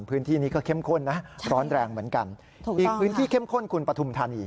พื้นที่นี้ก็เข้มข้นนะร้อนแรงเหมือนกันถูกอีกพื้นที่เข้มข้นคุณปฐุมธานี